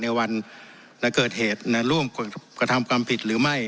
ในวันเกิดเหตุร่วมกระทำความผิดหรือไม่